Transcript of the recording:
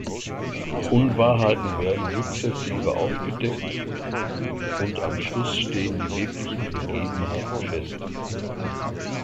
Unwahrheiten werden sukzessive aufgedeckt und am Schluss stehen die „wirklichen“ Begebenheiten fest.